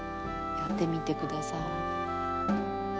やってみてください。